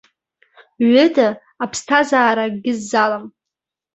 Ҩыда аԥсҭазаара акгьы ззалам.